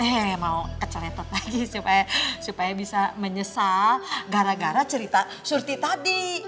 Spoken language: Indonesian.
hehe mau keceletot lagi supaya bisa menyesal gara gara cerita surti tadi